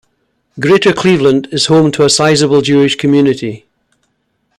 Greater Cleveland is home to a sizable Jewish community.